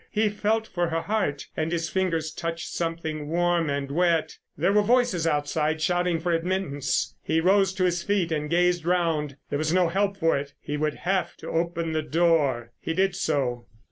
He felt for her heart—and his fingers touched something warm and wet. There were voices outside shouting for admittance. He rose to his feet and gazed round. There was no help for it—he would have to open the door. He did so.